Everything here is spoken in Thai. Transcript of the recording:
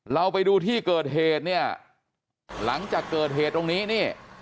เราไปดูที่เกิดเหตุเนี่ยหลังจากเกิดเหตุตรงนี้นี่